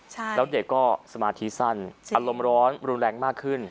แล้วเด็กก็สมาธิสั้นอารมณ์ร้อนรุนแรงมากขึ้น